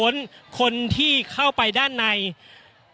อย่างที่บอกไปว่าเรายังยึดในเรื่องของข้อ